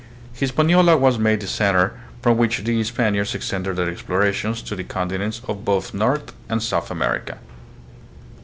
Hispaniola was made the center from which the Span iards extended their explorations to the continents of both North and South America.